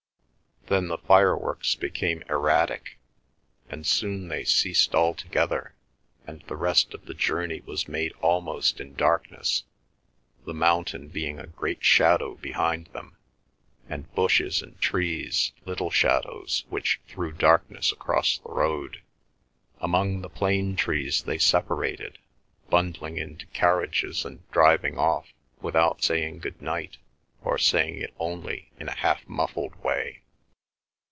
Then the fireworks became erratic, and soon they ceased altogether, and the rest of the journey was made almost in darkness, the mountain being a great shadow behind them, and bushes and trees little shadows which threw darkness across the road. Among the plane trees they separated, bundling into carriages and driving off, without saying good night, or saying it only in a half muffled way.